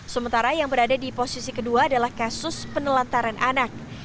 sementara yang berada di posisi kedua adalah kasus penelantaran anak